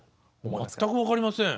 全く分かりません。